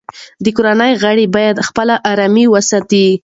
د کورنۍ غړي باید خپله ارامي وساتي.